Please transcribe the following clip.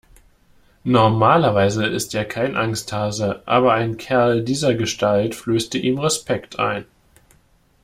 Normalerweise ist er kein Angsthase, aber ein Kerl dieser Gestalt flößte ihm Respekt ein.